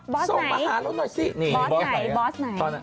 บอสไหน